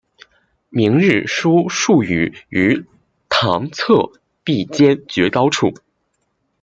明日书数语于堂侧壁间绝高处。